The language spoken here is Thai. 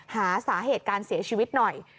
หาสาเหตุการเสียชีวิตหน่อย